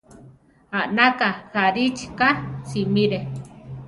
Anaka Garichí ka simire.